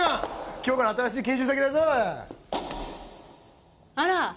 今日から新しい研修先だぞあら？